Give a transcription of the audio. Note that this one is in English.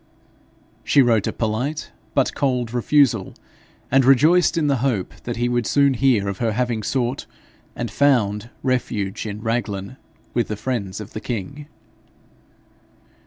She wrote a polite but cold refusal, and rejoiced in the hope that he would soon hear of her having sought and found refuge in Raglan with the friends of the king.